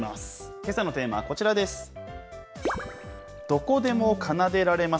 けさのテーマはこちらです。